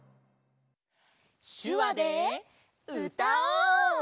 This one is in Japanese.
しゅわでうたおう！